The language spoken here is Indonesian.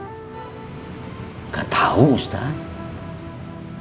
tidak tahu ustadz